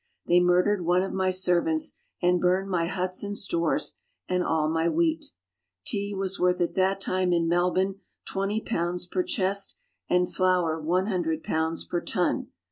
They murdered one of my servants and burned my huts and stores, and all my wheat. Tea was worth at that time in Melbourne 20 per chest, and flour 100 per ton.